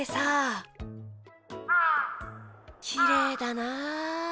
きれいだな。